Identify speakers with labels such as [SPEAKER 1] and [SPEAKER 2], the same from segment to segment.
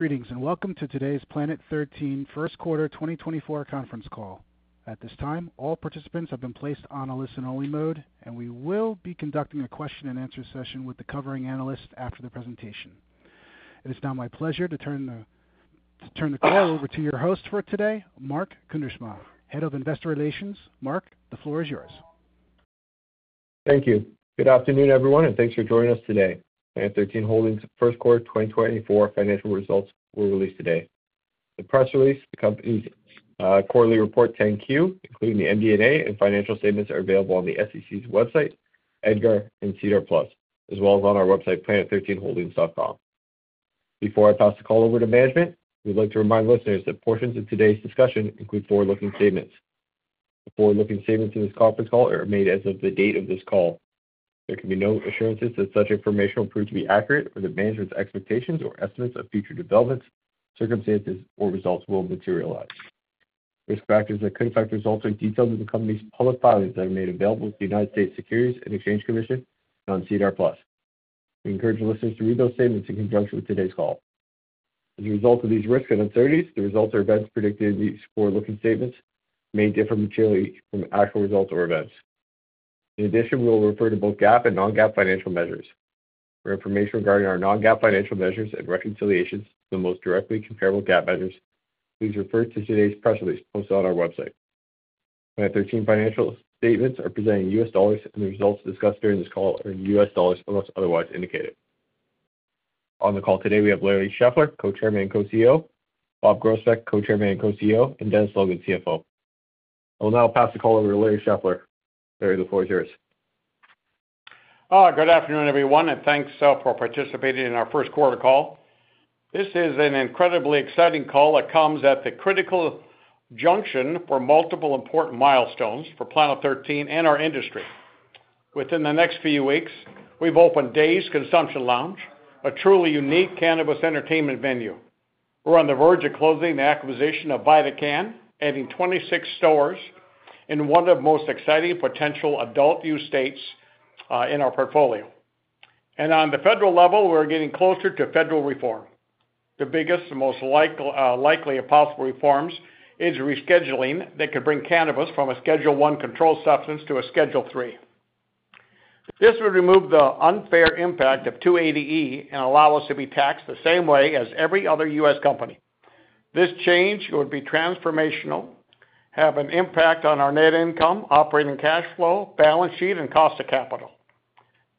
[SPEAKER 1] Greetings and welcome to today's Planet 13 first quarter 2024 conference call. At this time, all participants have been placed on a listen-only mode, and we will be conducting a question-and-answer session with the covering analyst after the presentation. It is now my pleasure to turn the call over to your host for today, Mark Kuindersma, Head of Investor Relations. Mark, the floor is yours.
[SPEAKER 2] Thank you. Good afternoon, everyone, and thanks for joining us today. Planet 13 Holdings' first quarter 2024 financial results were released today. The press release, the company's quarterly report 10-Q, including the MD&A and financial statements, are available on the SEC's website, EDGAR, and SEDAR+, as well as on our website, planet13holdings.com. Before I pass the call over to management, we'd like to remind listeners that portions of today's discussion include forward-looking statements. The forward-looking statements in this conference call are made as of the date of this call. There can be no assurances that such information will prove to be accurate or that management's expectations or estimates of future developments, circumstances, or results will materialize. Risk factors that could affect results are detailed in the company's public filings that are made available to the United States Securities and Exchange Commission and on SEDAR+. We encourage listeners to read those statements in conjunction with today's call. As a result of these risks and uncertainties, the results or events predicted in these forward-looking statements may differ materially from actual results or events. In addition, we will refer to both GAAP and non-GAAP financial measures. For information regarding our non-GAAP financial measures and reconciliations to the most directly comparable GAAP measures, please refer to today's press release posted on our website. Planet 13 financial statements are presented in U.S. dollars, and the results discussed during this call are in U.S. dollars unless otherwise indicated. On the call today, we have Larry Scheffler, Co-Chairman and Co-CEO, Bob Groesbeck, Co-Chairman and Co-CEO, and Dennis Logan, CFO. I will now pass the call over to Larry Scheffler. Larry, the floor is yours.
[SPEAKER 3] Good afternoon, everyone, and thanks for participating in our first quarter call. This is an incredibly exciting call that comes at the critical junction for multiple important milestones for Planet 13 and our industry. Within the next few weeks, we've opened DAZED! Consumption Lounge, a truly unique cannabis entertainment venue. We're on the verge of closing the acquisition of VidaCann, adding 26 stores in one of the most exciting potential adult-use states in our portfolio. And on the federal level, we're getting closer to federal reform. The biggest and most likely of possible reforms is rescheduling that could bring cannabis from a Schedule I controlled substance to a Schedule III. This would remove the unfair impact of 280E and allow us to be taxed the same way as every other US company. This change would be transformational, have an impact on our net income, operating cash flow, balance sheet, and cost of capital.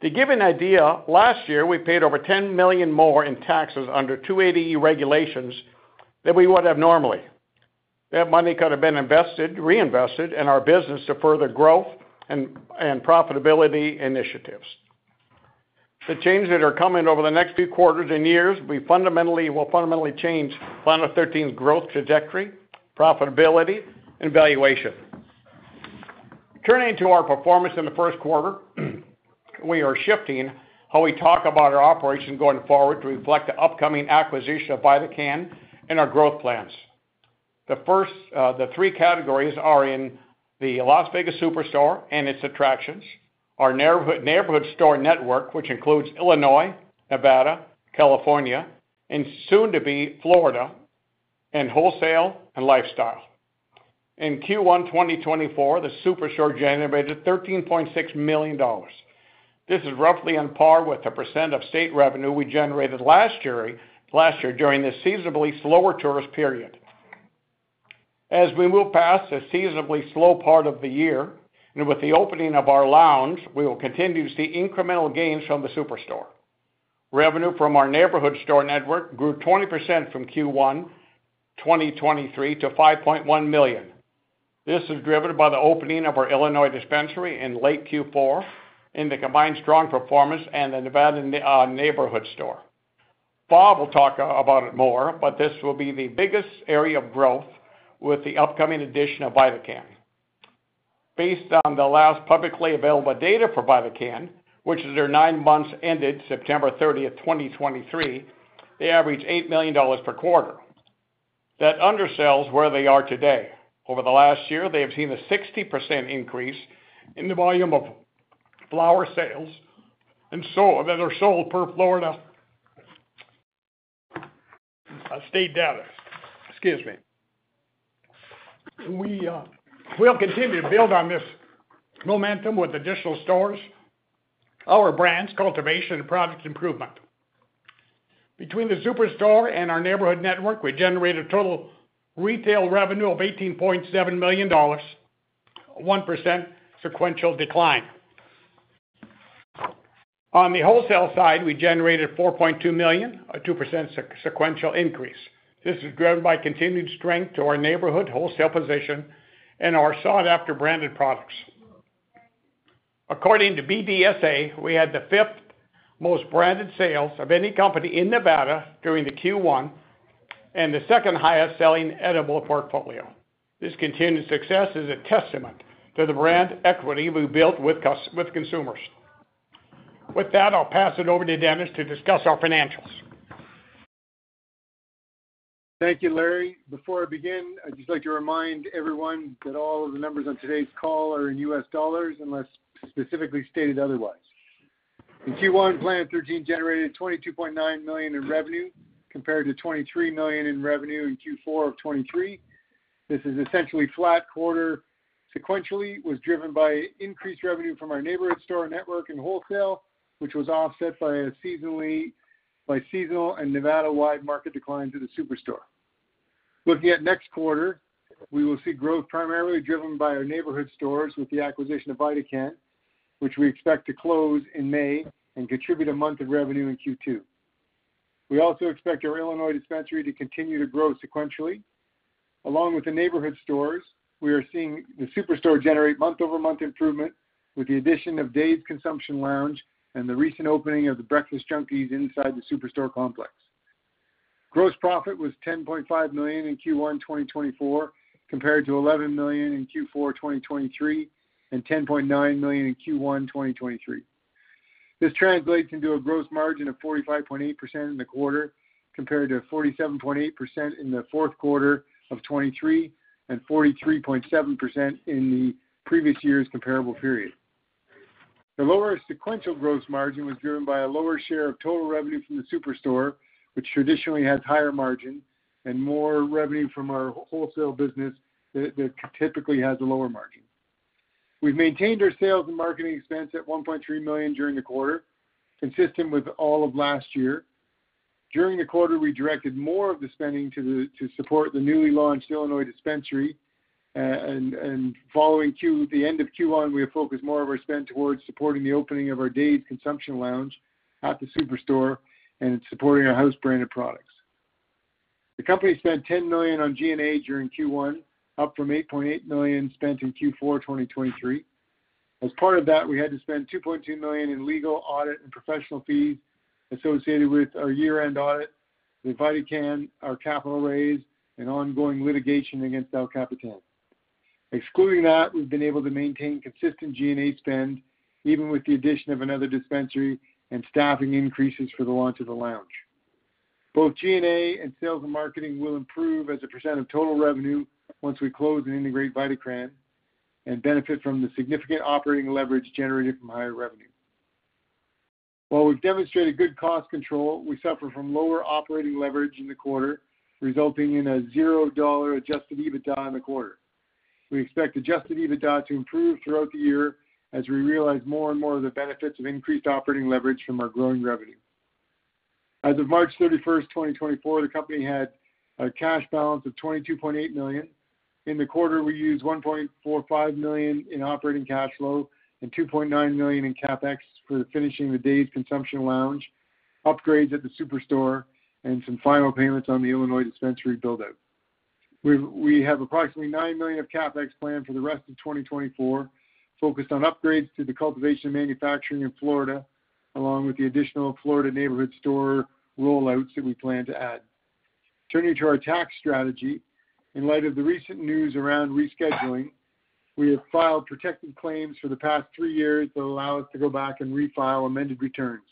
[SPEAKER 3] To give an idea, last year we paid over $10 million more in taxes under 280E regulations than we would have normally. That money could have been invested, reinvested, in our business to further growth and profitability initiatives. The changes that are coming over the next few quarters and years will fundamentally change Planet 13's growth trajectory, profitability, and valuation. Turning to our performance in the first quarter, we are shifting how we talk about our operations going forward to reflect the upcoming acquisition of VidaCann and our growth plans. The three categories are in the Las Vegas SuperStore and its attractions, our neighborhood store network which includes Illinois, Nevada, California, and soon to be Florida, and wholesale and lifestyle. In Q1 2024, the SuperStore generated $13.6 million. This is roughly on par with the percent of state revenue we generated last year during this seasonably slower tourist period. As we move past the seasonably slow part of the year and with the opening of our lounge, we will continue to see incremental gains from the SuperStore. Revenue from our neighborhood store network grew 20% from Q1 2023 to $5.1 million. This is driven by the opening of our Illinois dispensary in late Q4 and the combined strong performance in the Nevada neighborhood store. Bob will talk about it more, but this will be the biggest area of growth with the upcoming addition of VidaCann. Based on the last publicly available data for VidaCann, which is their nine months ended September 30th, 2023, they average $8 million per quarter. That undersells where they are today. Over the last year, they have seen a 60% increase in the volume of flower sales that are sold per Florida state data. Excuse me. We'll continue to build on this momentum with additional stores, our brands, cultivation, and product improvement. Between the SuperStore and our neighborhood network, we generated total retail revenue of $18.7 million, a 1% sequential decline. On the wholesale side, we generated $4.2 million, a 2% sequential increase. This is driven by continued strength to our neighborhood wholesale position and our sought-after branded products. According to BDSA, we had the fifth most branded sales of any company in Nevada during the Q1 and the second highest-selling edible portfolio. This continued success is a testament to the brand equity we've built with consumers. With that, I'll pass it over to Dennis to discuss our financials.
[SPEAKER 4] Thank you, Larry. Before I begin, I'd just like to remind everyone that all of the numbers on today's call are in US dollars unless specifically stated otherwise. In Q1, Planet 13 generated $22.9 million in revenue compared to $23 million in revenue in Q4 of 2023. This is essentially flat quarter sequentially, was driven by increased revenue from our neighborhood store network and wholesale, which was offset by seasonal and Nevada-wide market declines in the SuperStore. Looking at next quarter, we will see growth primarily driven by our neighborhood stores with the acquisition of VidaCann, which we expect to close in May and contribute a month of revenue in Q2. We also expect our Illinois dispensary to continue to grow sequentially. Along with the neighborhood stores, we are seeing the Superstore generate month-over-month improvement with the addition of DAZED! Consumption Lounge and the recent opening of the Breakfast Junkies inside the Superstore complex. Gross profit was $10.5 million in Q1 2024 compared to $11 million in Q4 2023 and $10.9 million in Q1 2023. This translates into a gross margin of 45.8% in the quarter compared to 47.8% in the fourth quarter of 2023 and 43.7% in the previous year's comparable period. The lower sequential gross margin was driven by a lower share of total revenue from the Superstore, which traditionally has higher margins, and more revenue from our wholesale business that typically has a lower margin. We've maintained our sales and marketing expense at $1.3 million during the quarter, consistent with all of last year. During the quarter, we directed more of the spending to support the newly launched Illinois dispensary. Following the end of Q1, we have focused more of our spend towards supporting the opening of our DAZED! Consumption Lounge at the SuperStore and supporting our house branded products. The company spent $10 million on G&A during Q1, up from $8.8 million spent in Q4 2023. As part of that, we had to spend $2.2 million in legal, audit, and professional fees associated with our year-end audit, the VidaCann, our capital raise, and ongoing litigation against Al Capitan. Excluding that, we've been able to maintain consistent G&A spend even with the addition of another dispensary and staffing increases for the launch of the lounge. Both G&A and sales and marketing will improve as a percent of total revenue once we close and integrate VidaCann and benefit from the significant operating leverage generated from higher revenue. While we've demonstrated good cost control, we suffer from lower operating leverage in the quarter, resulting in a zero Adjusted EBITDA in the quarter. We expect Adjusted EBITDA to improve throughout the year as we realize more and more of the benefits of increased operating leverage from our growing revenue. As of March 31, 2024, the company had a cash balance of $22.8 million. In the quarter, we used $1.45 million in operating cash flow and $2.9 million in CapEx for finishing the DAZED! Consumption Lounge, upgrades at the SuperStore, and some final payments on the Illinois dispensary buildout. We have approximately $9 million of CapEx planned for the rest of 2024, focused on upgrades to the cultivation and manufacturing in Florida, along with the additional Florida neighborhood store rollouts that we plan to add. Turning to our tax strategy, in light of the recent news around rescheduling, we have filed protected claims for the past three years that allow us to go back and refile amended returns.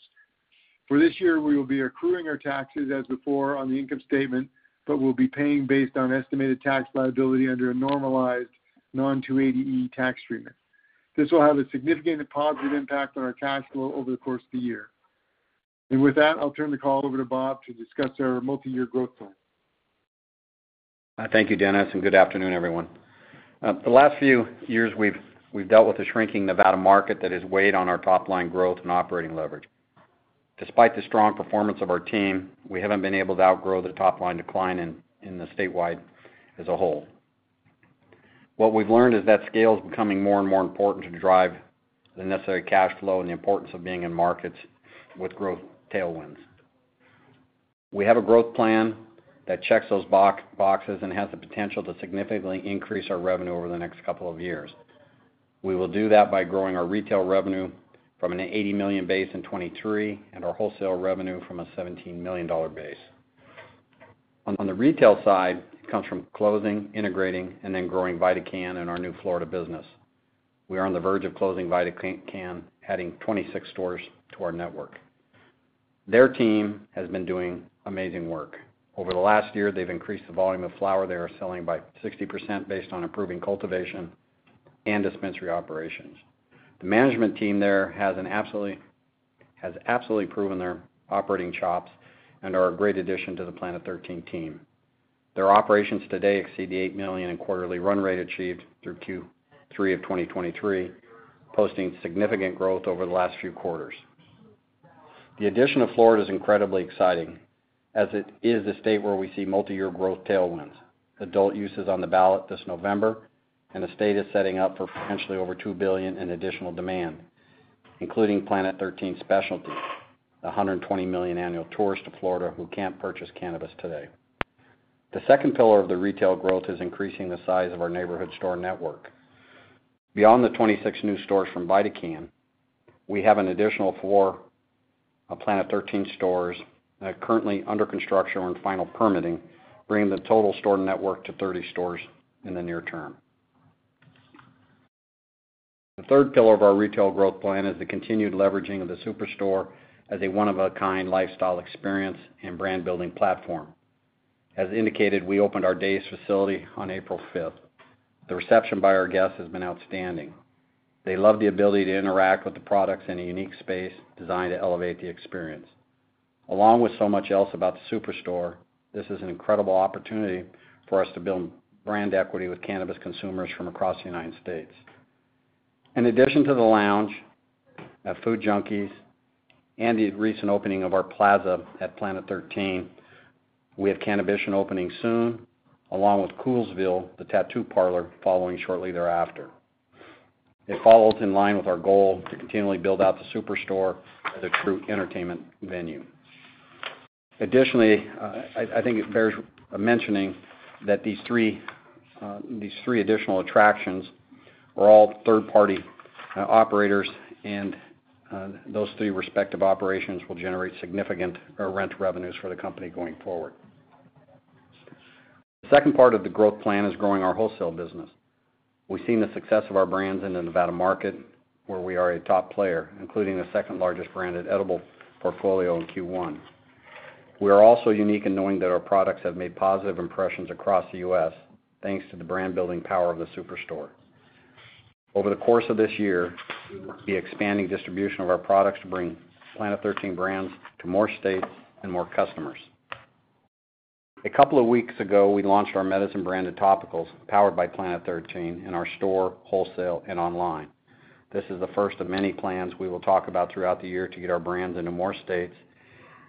[SPEAKER 4] For this year, we will be accruing our taxes as before on the income statement but will be paying based on estimated tax liability under a normalized non-280E tax treatment. This will have a significant positive impact on our cash flow over the course of the year. With that, I'll turn the call over to Bob to discuss our multi-year growth plan.
[SPEAKER 5] Thank you, Dennis, and good afternoon, everyone. The last few years, we've dealt with a shrinking Nevada market that has weighed on our top-line growth and operating leverage. Despite the strong performance of our team, we haven't been able to outgrow the top-line decline in the statewide as a whole. What we've learned is that scale is becoming more and more important to drive the necessary cash flow and the importance of being in markets with growth tailwinds. We have a growth plan that checks those boxes and has the potential to significantly increase our revenue over the next couple of years. We will do that by growing our retail revenue from an $80 million base in 2023 and our wholesale revenue from a $17 million base. On the retail side, it comes from closing, integrating, and then growing VidaCann and our new Florida business. We are on the verge of closing VidaCann, adding 26 stores to our network. Their team has been doing amazing work. Over the last year, they've increased the volume of flower they are selling by 60% based on improving cultivation and dispensary operations. The management team there has absolutely proven their operating chops and are a great addition to the Planet 13 team. Their operations today exceed the $8 million in quarterly run rate achieved through Q3 of 2023, posting significant growth over the last few quarters. The addition of Florida is incredibly exciting as it is the state where we see multi-year growth tailwinds. Adult use is on the ballot this November, and the state is setting up for potentially over $2 billion in additional demand, including Planet 13 specialty, the $120 million annual tours to Florida who can't purchase cannabis today. The second pillar of the retail growth is increasing the size of our neighborhood store network. Beyond the 26 new stores from VidaCann, we have an additional four Planet 13 stores currently under construction or in final permitting, bringing the total store network to 30 stores in the near term. The third pillar of our retail growth plan is the continued leveraging of the SuperStore as a one-of-a-kind lifestyle experience and brand-building platform. As indicated, we opened our DAZED! facility on April 5th. The reception by our guests has been outstanding. They love the ability to interact with the products in a unique space designed to elevate the experience. Along with so much else about the SuperStore, this is an incredible opportunity for us to build brand equity with cannabis consumers from across the United States. In addition to the lounge at Breakfast Junkies and the recent opening of our plaza at Planet 13, we have Cannabition opening soon along with Coolsville, the tattoo parlor, following shortly thereafter. It follows in line with our goal to continually build out the SuperStore as a true entertainment venue. Additionally, I think it bears mentioning that these three additional attractions are all third-party operators, and those three respective operations will generate significant rent revenues for the company going forward. The second part of the growth plan is growing our wholesale business. We've seen the success of our brands in the Nevada market where we are a top player, including the second-largest branded edible portfolio in Q1. We are also unique in knowing that our products have made positive impressions across the U.S. thanks to the brand-building power of the SuperStore. Over the course of this year, we will be expanding distribution of our products to bring Planet 13 brands to more states and more customers. A couple of weeks ago, we launched our Medizin-branded topicals powered by Planet 13 in our store, wholesale, and online. This is the first of many plans we will talk about throughout the year to get our brands into more states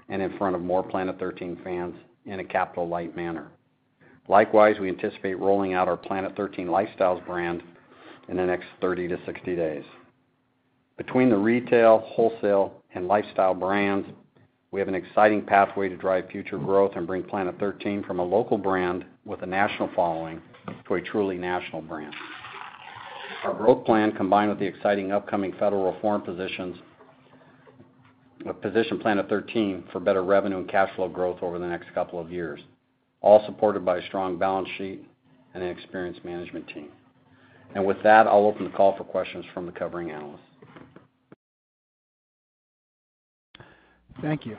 [SPEAKER 5] and in front of more Planet 13 fans in a capital-light manner. Likewise, we anticipate rolling out our Planet 13 Lifestyles brand in the next 30-60 days. Between the retail, wholesale, and lifestyle brands, we have an exciting pathway to drive future growth and bring Planet 13 from a local brand with a national following to a truly national brand. Our growth plan, combined with the exciting upcoming federal reform positions, positioned Planet 13 for better revenue and cash flow growth over the next couple of years, all supported by a strong balance sheet and an experienced management team. With that, I'll open the call for questions from the covering analysts.
[SPEAKER 1] Thank you.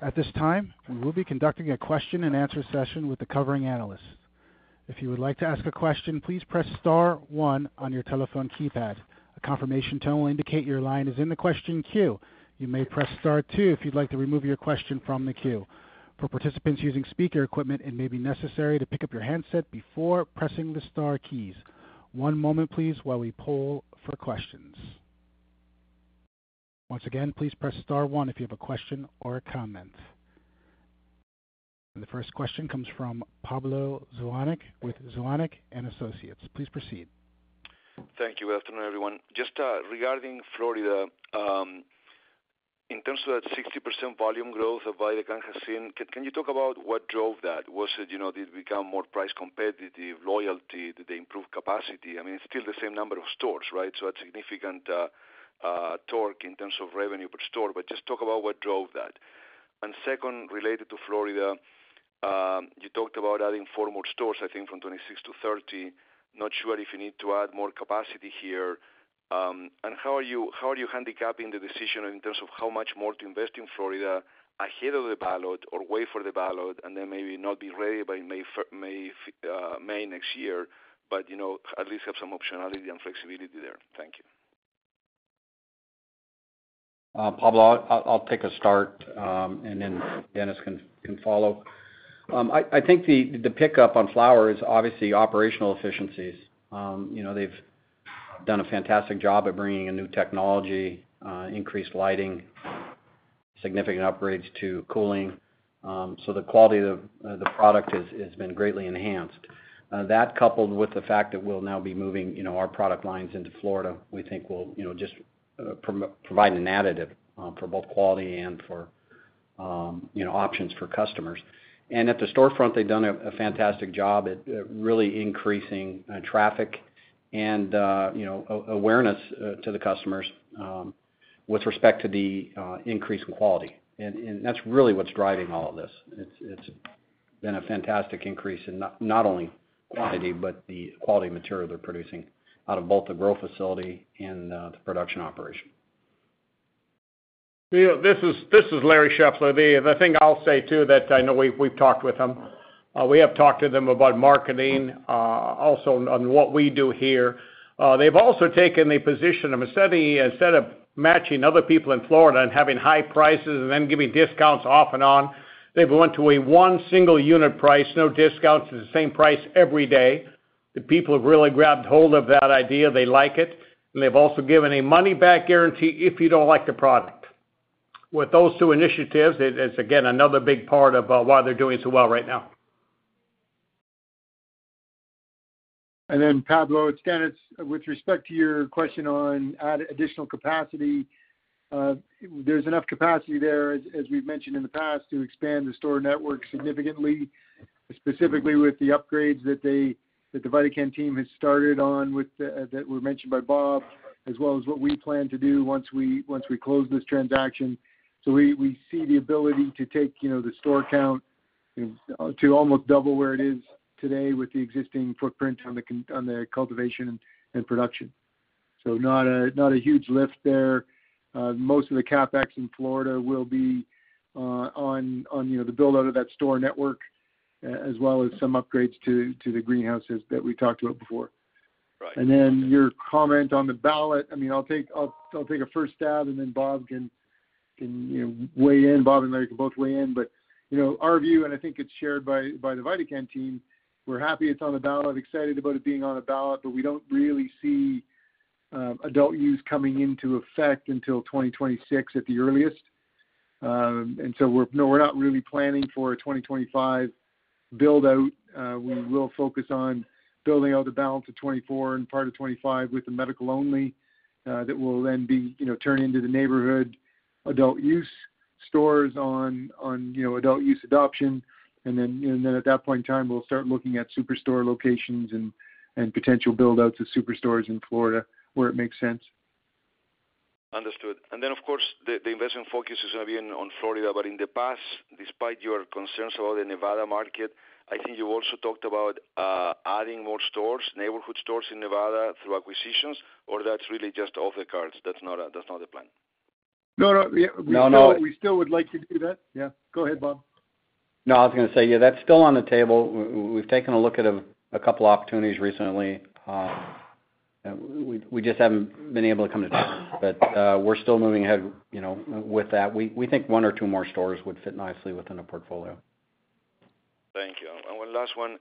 [SPEAKER 1] At this time, we will be conducting a question-and-answer session with the covering analysts. If you would like to ask a question, please press star one on your telephone keypad. A confirmation tone will indicate your line is in the question queue. You may press star two if you'd like to remove your question from the queue. For participants using speaker equipment, it may be necessary to pick up your handset before pressing the star keys. One moment, please, while we pull for questions. Once again, please press star one if you have a question or a comment. The first question comes from Pablo Zuanic with Zuanic & Associates. Please proceed.
[SPEAKER 6] Thank you. Afternoon, everyone. Just regarding Florida, in terms of that 60% volume growth of VidaCann has seen, can you talk about what drove that? Did it become more price competitive, loyalty? Did they improve capacity? I mean, it's still the same number of stores, right? So that's significant torque in terms of revenue per store. But just talk about what drove that. And second, related to Florida, you talked about adding four more stores, I think, from 26 to 30. Not sure if you need to add more capacity here. And how are you handicapping the decision in terms of how much more to invest in Florida ahead of the ballot or way for the ballot and then maybe not be ready by May next year but at least have some optionality and flexibility there? Thank you.
[SPEAKER 5] Pablo, I'll take a start, and then Dennis can follow. I think the pickup on flower is obviously operational efficiencies. They've done a fantastic job at bringing in new technology, increased lighting, significant upgrades to cooling. So the quality of the product has been greatly enhanced. That, coupled with the fact that we'll now be moving our product lines into Florida, we think will just provide an additive for both quality and for options for customers. And at the storefront, they've done a fantastic job at really increasing traffic and awareness to the customers with respect to the increase in quality. And that's really what's driving all of this. It's been a fantastic increase in not only quantity but the quality material they're producing out of both the growth facility and the production operation.
[SPEAKER 3] This is Larry Scheffler. The thing I'll say, too, that I know we've talked to them about marketing, also on what we do here. They've also taken the position of instead of matching other people in Florida and having high prices and then giving discounts off and on, they've gone to a one single unit price, no discounts. It's the same price every day. The people have really grabbed hold of that idea. They like it. They've also given a money-back guarantee if you don't like the product. With those two initiatives, it's, again, another big part of why they're doing so well right now.
[SPEAKER 4] And then, Pablo, it's Dennis. With respect to your question on additional capacity, there's enough capacity there, as we've mentioned in the past, to expand the store network significantly, specifically with the upgrades that the VidaCann team has started on that were mentioned by Bob, as well as what we plan to do once we close this transaction. So we see the ability to take the store count to almost double where it is today with the existing footprint on the cultivation and production. So not a huge lift there. Most of the CapEx in Florida will be on the buildout of that store network as well as some upgrades to the greenhouses that we talked about before. And then your comment on the ballot—I mean, I'll take a first stab, and then Bob can weigh in. Bob and Larry can both weigh in. But our view, and I think it's shared by the VidaCann team, we're happy it's on the ballot, excited about it being on the ballot, but we don't really see adult use coming into effect until 2026 at the earliest. And so we're not really planning for a 2025 buildout. We will focus on building out the balance of 2024 and part of 2025 with the medical-only that will then turn into the neighborhood adult use stores on adult use adoption. And then at that point in time, we'll start looking at SuperStore locations and potential buildouts of SuperStores in Florida where it makes sense.
[SPEAKER 6] Understood. And then, of course, the investment focus is going to be on Florida. But in the past, despite your concerns about the Nevada market, I think you also talked about adding more stores, neighborhood stores in Nevada through acquisitions. Or that's really just off the cards? That's not the plan?
[SPEAKER 4] No, no. We still would like to do that. Yeah. Go ahead, Bob.
[SPEAKER 5] No, I was going to say, yeah, that's still on the table. We've taken a look at a couple of opportunities recently. We just haven't been able to come to terms. But we're still moving ahead with that. We think one or two more stores would fit nicely within the portfolio.
[SPEAKER 6] Thank you. And one last one.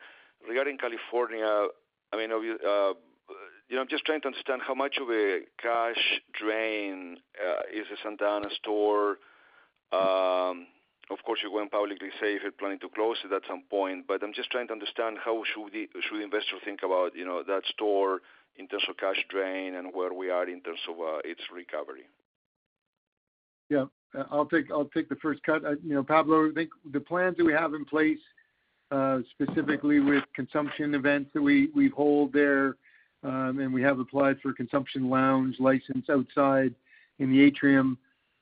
[SPEAKER 6] Regarding California, I mean, I'm just trying to understand how much of a cash drain is the Santa Ana store? Of course, you went public saying and planning to close it at some point. But I'm just trying to understand how should investors think about that store in terms of cash drain and where we are in terms of its recovery?
[SPEAKER 4] Yeah. I'll take the first cut. Pablo, I think the plans that we have in place, specifically with consumption events that we've held there, and we have applied for consumption lounge license outside in the atrium.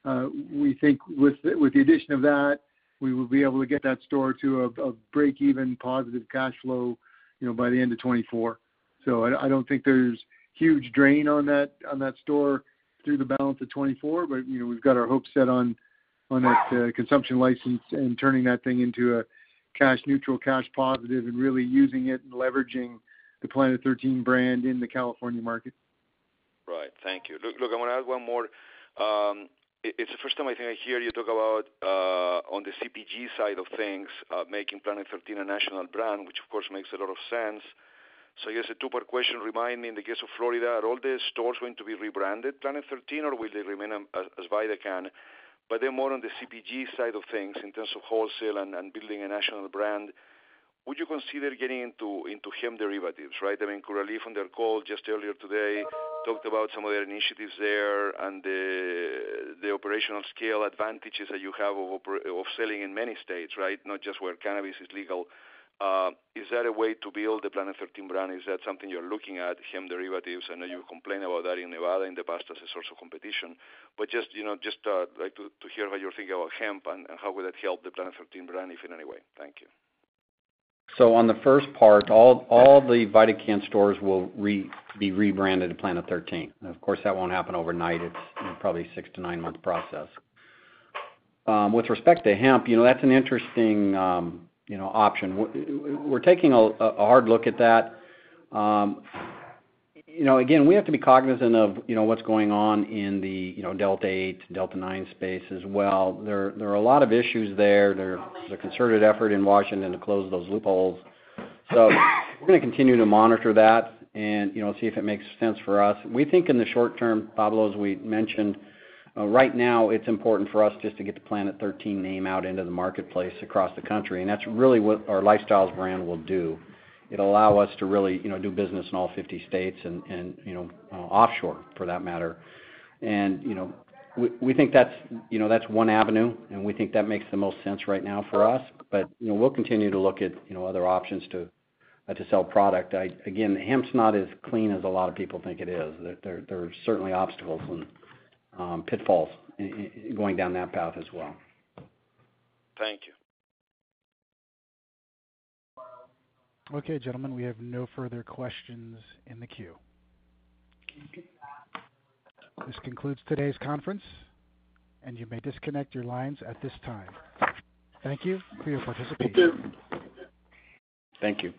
[SPEAKER 4] We think with the addition of that, we will be able to get that store to a break-even positive cash flow by the end of 2024. So I don't think there's huge drain on that store through the balance of 2024. But we've got our hopes set on that consumption license and turning that thing into a cash-neutral, cash-positive, and really using it and leveraging the Planet 13 brand in the California market.
[SPEAKER 6] Right. Thank you. Look, I want to add one more. It's the first time, I think, I hear you talk about, on the CPG side of things, making Planet 13 a national brand, which, of course, makes a lot of sense. So I guess a two-part question. Remind me, in the case of Florida, are all the stores going to be rebranded Planet 13, or will they remain as VidaCann? But then more on the CPG side of things, in terms of wholesale and building a national brand, would you consider getting into hemp derivatives, right? I mean, Curaleaf from their call just earlier today talked about some of their initiatives there and the operational scale advantages that you have of selling in many states, right, not just where cannabis is legal. Is that a way to build the Planet 13 brand? Is that something you're looking at, hemp derivatives? I know you've complained about that in Nevada in the past as a source of competition. But just to hear what you're thinking about hemp and how would that help the Planet 13 brand, if in any way? Thank you.
[SPEAKER 5] So on the first part, all the VidaCann stores will be rebranded to Planet 13. Of course, that won't happen overnight. It's probably six to nine month process. With respect to hemp, that's an interesting option. We're taking a hard look at that. Again, we have to be cognizant of what's going on in the Delta 8, Delta 9 space as well. There are a lot of issues there. There's a concerted effort in Washington to close those loopholes. So we're going to continue to monitor that and see if it makes sense for us. We think in the short term, Pablo, as we mentioned, right now, it's important for us just to get the Planet 13 name out into the marketplace across the country. And that's really what our Lifestyles brand will do. It'll allow us to really do business in all 50 states and offshore, for that matter. We think that's one avenue, and we think that makes the most sense right now for us. But we'll continue to look at other options to sell product. Again, hemp's not as clean as a lot of people think it is. There are certainly obstacles and pitfalls going down that path as well.
[SPEAKER 6] Thank you.
[SPEAKER 1] Okay, gentlemen. We have no further questions in the queue. This concludes today's conference, and you may disconnect your lines at this time. Thank you for your participation.
[SPEAKER 4] Thank you.